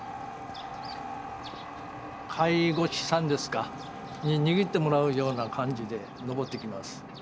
介護士さんですかに握ってもらうような感じで上っていきます。